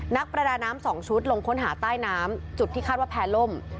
นักประดาน้ำ๒ชุดลงค้นหาใต้น้ำจุดที่คาดว่าแพร่ล่ม